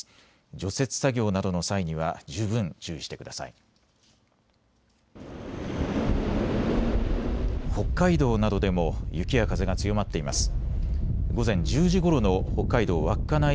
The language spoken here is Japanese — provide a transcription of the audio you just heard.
除雪作業などの際には十分注意してください。